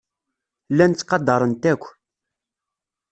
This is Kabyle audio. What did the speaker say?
Llan ttqadaren-t akk.